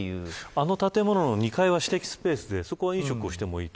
あの建物の２階は私的スペースでそこは飲食もしていい。